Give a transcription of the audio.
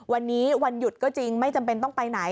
วันนี้วันหยุดก็จริงไม่จำเป็นต้องไปไหน